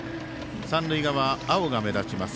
三塁側、青が目立ちます。